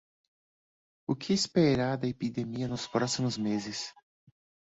O que esperar da epidemia nos próximos meses